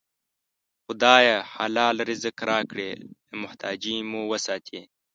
خدایه! حلال رزق راکړې، له محتاجۍ مو وساتې